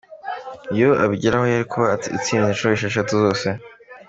Iyo abigeraho yari kuba aritsinze inshuro esheshatu zose.